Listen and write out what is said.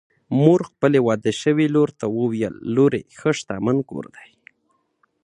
مور خپلې واده شوې لور ته وویل: لورې! ښه شتمن کور دی